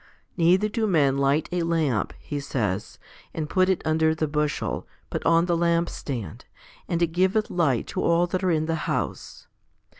Neither do men light a lamp, He says, and put it under the bushel, but on the lampstand, and it giveth light to all that are in the hotise.